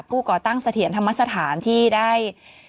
ก่อตั้งเสถียรธรรมสถานที่ได้